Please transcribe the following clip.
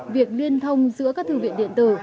việc liên thông giữa các thư viện điện tử